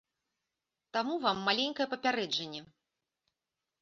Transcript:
Таму вам маленькае папярэджанне.